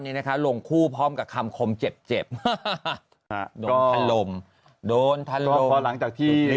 นี้นะคะลงคู่พร้อมกับคำคมเจ็บเจ็บโดนทะลมโดนถล่มพอหลังจากที่